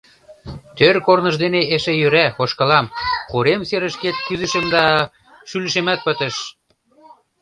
Тӧр корныж дене эше йӧра, ошкылам, корем серышкет кӱзышым да-а... шӱлышемат пытыш.